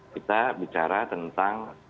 kita bicara tentang